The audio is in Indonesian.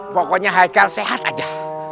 pokoknya haikal sehat aja